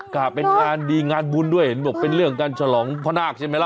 ค่ะเป็นงานดีงานบุญด้วยเห็นบอกเป็นเรื่องการฉลองพระนาคใช่ไหมล่ะ